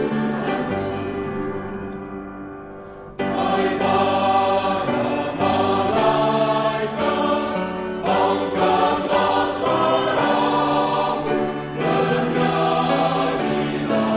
dia bilang bahwa dengan perhujung itu